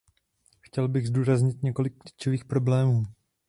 Chtěl bych zdůraznit několik klíčových problémů.